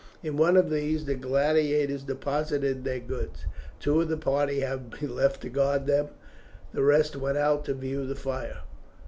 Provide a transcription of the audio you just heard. In one of these the gladiators deposited their goods. Two of the party having been left to guard them the rest went out to view the fire.